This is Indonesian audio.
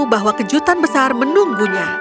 bahwa kejutan besar menunggunya